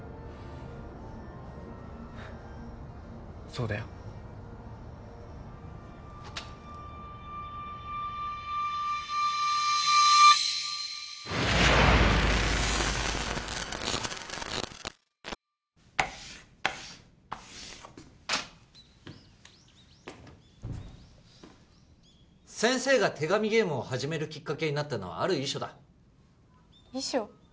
そうだよ先生が手紙ゲームを始めるきっかけになったのはある遺書だ遺書？